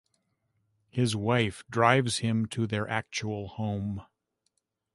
His wife drives him to their actual home.